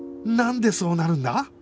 なんでそうなるんだ？